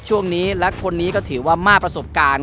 ช่วงนี้และคนนี้ก็ถือว่ามากประสบการณ์